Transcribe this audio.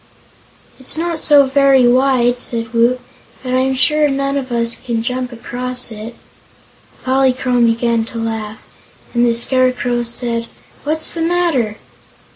"It's not so very wide," said Woot, "but I'm sure none of us can jump across it." Polychrome began to laugh, and the Scarecrow said: "What's the matter?"